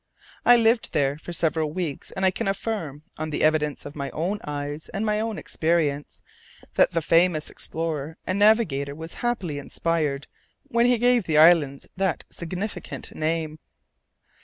I lived there for several weeks, and I can affirm, on the evidence of my own eyes and my own experience, that the famous English explorer and navigator was happily inspired when he gave the islands that significant name.